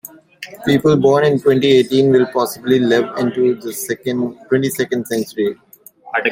People born in twenty-eighteen will possibly live into the twenty-second century.